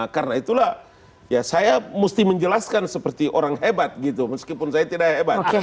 karena itulah ya saya mesti menjelaskan seperti orang hebat gitu meskipun saya tidak hebat